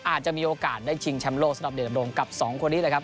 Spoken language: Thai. อาจจะมีโอกาสได้ชิงแชมป์โลกสำหรับเดชดำรงกับสองคนนี้เลยครับ